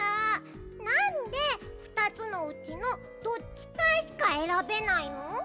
なんでふたつのうちのどっちかしかえらべないの？